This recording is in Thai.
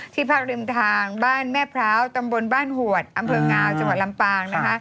ที่ภาคริมทางบ้านแม่พร้าวตำบลบ้านหวดอำเภิงงาวจังหวัดลำปาง